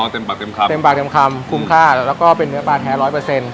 เต็มปากเต็มคำเต็มปากเต็มคำคุ้มค่าแล้วก็เป็นเนื้อปลาแท้ร้อยเปอร์เซ็นต